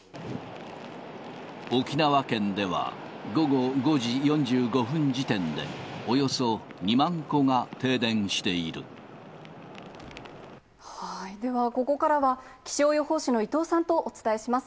沖縄県では、午後５時４５分時点で、では、ここからは、気象予報士の伊藤さんとお伝えします。